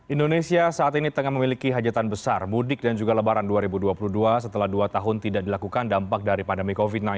indonesia saat ini tengah memiliki hajatan besar mudik dan juga lebaran dua ribu dua puluh dua setelah dua tahun tidak dilakukan dampak dari pandemi covid sembilan belas